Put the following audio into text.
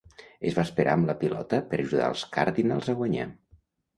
Es va esperar amb la pilota per ajudar els Cardinals a guanyar.